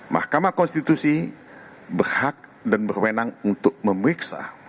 mahkamah konstitusi berhak dan berwenang untuk memeriksa